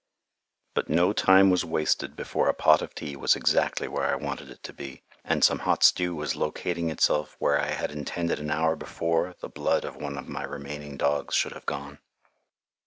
But no time was wasted before a pot of tea was exactly where I wanted it to be, and some hot stew was locating itself where I had intended an hour before the blood of one of my remaining dogs should have gone.